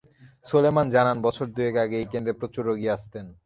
সোলায়মান জানান, বছর দুয়েক আগে এই কেন্দ্রে প্রচুর রোগী আসতেন।